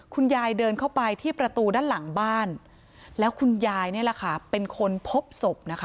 เดินเข้าไปที่ประตูด้านหลังบ้านแล้วคุณยายนี่แหละค่ะเป็นคนพบศพนะคะ